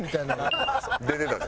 出てたで。